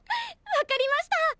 分かりました！